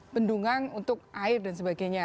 bendungan untuk air dan sebagainya